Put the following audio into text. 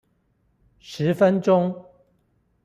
十分鐘